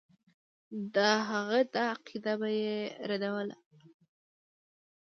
د هغه دا عقیده به یې ردوله.